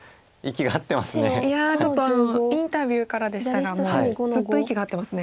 いやちょっとインタビューからでしたがもうずっと息が合ってますね。